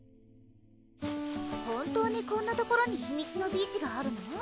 本当にこんな所に秘密のビーチがあるの？